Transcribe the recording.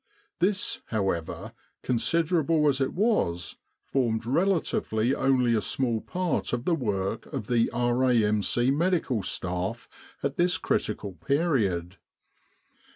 This, however, consider able as it was, formed 1 relatively only a small part of the work of the R.A.M.C. Medical Staff at this critical period.